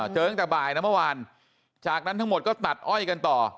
เจอตั้งแต่บ่ายนะเมื่อวานจากนั้นทั้งหมดก็ตัดอ้อยกันต่อ